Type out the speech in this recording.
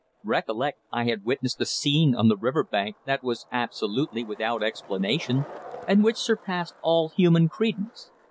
Recollect, I had witnessed a scene on the river bank that was absolutely without explanation, and which surpassed all human credence.